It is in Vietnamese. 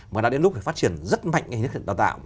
và đã đến lúc phải phát triển rất mạnh hình thức đào tạo